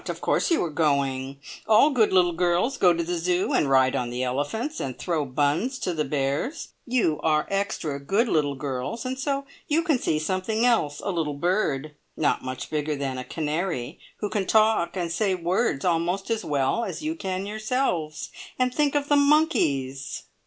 Of course you are going! All good little girls go to the Zoo, and ride on the elephants, and throw buns to the bears. You are extra good little girls, and so you can see something else a little bird, not much bigger than a canary, who can talk and say words almost as well as you can yourselves. And think of the monkeys!"